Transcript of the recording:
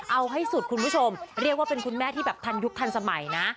เอาให้สุดคุณผู้ชมเรียกว่าเป็นคุณแม่ที่แบบทันยุคทันสมัยนะ